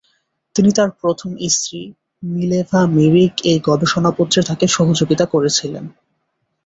তিনি তাঁর প্রথম স্ত্রী মিলেভা মেরিক এই গবেষণাপত্রে তাকে সহযোগিতা করেছিলেন।